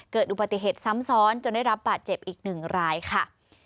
เกิดอุบัติเหตุซ้ำซ้อนจนได้รับบาดเจ็บอีกหนึ่งรายค่ะ